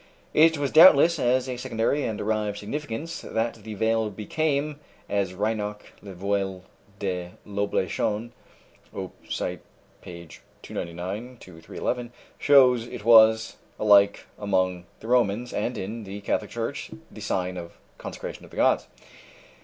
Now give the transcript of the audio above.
It was doubtless as a secondary and derived significance that the veil became, as Reinach ("Le Voile de l'Oblation," op. cit., pp. 299 311) shows it was, alike among the Romans and in the Catholic Church, the sign of consecration to the gods.